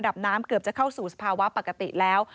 น้ำเกือบจะเข้าสู่สภาวะปกติแล้ว